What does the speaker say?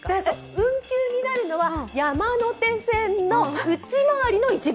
運休になるのは山手線の内回りの一部。